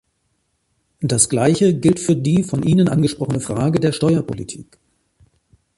Das gleiche gilt für die von Ihnen angesprochene Frage der Steuerpolitik.